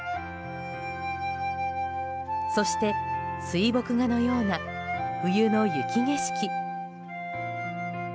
そして、水墨画のような冬の雪景色。